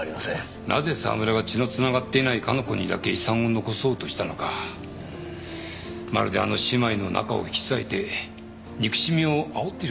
なぜ沢村が血のつながっていない加奈子にだけ遺産を残そうとしたのかまるであの姉妹の仲を引き裂いて憎しみをあおっているようだろう